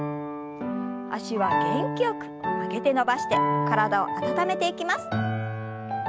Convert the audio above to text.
脚は元気よく曲げて伸ばして体を温めていきます。